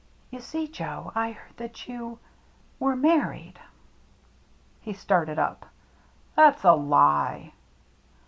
" You see, Joe, I heard that you — were married." He started up. " That's a lie